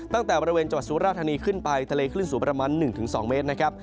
ตั้งแต่บริเวณจังหวัดสุราธานีขึ้นไปทะเลคลื่นสูงประมาณ๑๒เมตรนะครับ